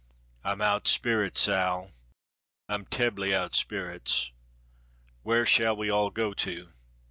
"I'm out spirits, Sal. I'm tebbly out spirits. Where shall we all go to?